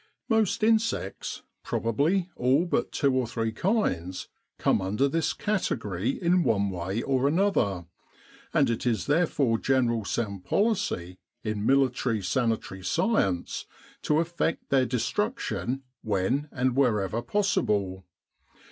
Most insects, probably all but two or three kinds, come under this category in one way or another ; and it is therefore general sound policy, in military sanitary science* to effect their destruction when and wherever possible.